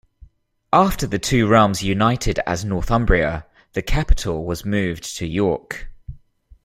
After the two realms united as Northumbria the capital was moved to York.